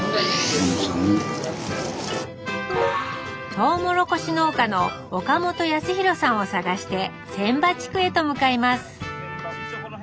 トウモロコシ農家の岡本安広さんを探して千羽地区へと向かいます